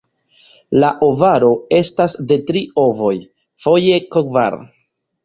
La ovaro estas de tri ovoj, foje kvar.